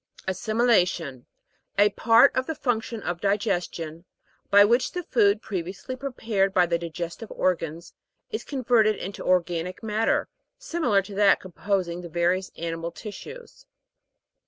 ASSIMJLA'TION. A part of the func tion of digestion, by which the food, previously prepared by the digestive organs, is converted into organic matter, similar to that composing the various animal tis sues.